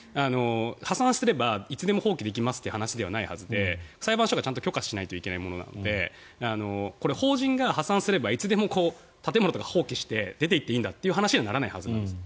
破産すればいつでも放棄できますという話ではないはずで裁判所がちゃんと許可しなければいけないものなのでこれ、法人が破産すればいつでも建物とか放棄して出ていっていいんだという話にはならないはずなんです。